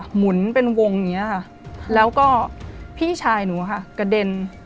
หมุนเป็นวงอย่างนี้ค่ะแล้วก็พี่ชายหนูค่ะกระเด็น